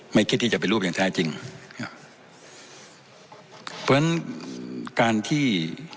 ไม่คิดที่จะเป็นรูปอย่างแท้จริงเพราะฉะนั้นการที่